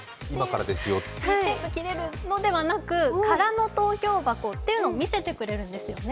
テープを切れるというのではなく、空の投票箱をいうのを見せてくれるんですね。